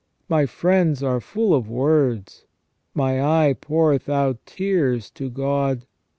My friends are full of words : my eye poureth out tears to God.